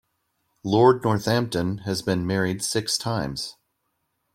Lord Northampton has been married six times.